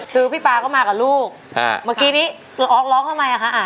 คือพี่ป๊าก็มากับลูกเมื่อกี้นี้คือออกร้องทำไมอ่ะคะ